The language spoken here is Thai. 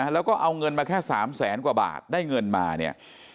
แล้วก็เอาเงินมาแค่๓แสนกว่าบาทได้เงินมาเนี่ย